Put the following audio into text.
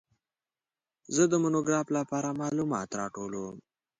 زه د مونوګراف لپاره معلومات راټولوم.